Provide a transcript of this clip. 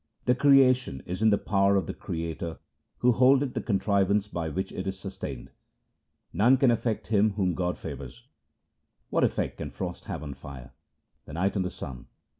The creation is in the power of the Creator who holdeth the contrivance by which it is sustained. Nothing can affect him whom God favours :— What effect can frost have on fire, the night on the sun